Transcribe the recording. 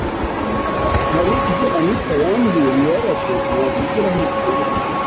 ”hari ibyo Anitha yambwiye bibabaje ntavugira hano ku rubuga